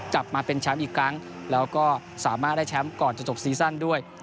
กลับมาเป็นแชมป์อีกครั้งแล้วก็สามารถได้แชมป์ก่อนจะจบซีซั่นด้วย